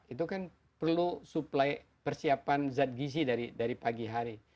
itu kan perlu supply persiapan zat gizi dari pagi hari